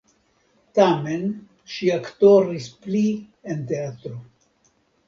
Tamen ŝi aktoris pli en teatro.